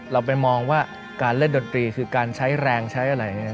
เราไปมองว่าการเล่นดนตรีคือการใช้แรงใช้อะไรอย่างนี้